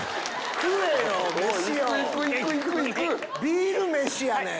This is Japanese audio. ビール飯やねん！